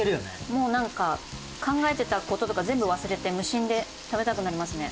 もうなんか考えてた事とか全部忘れて無心で食べたくなりますね。